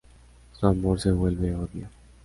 Su amor se vuelve odio.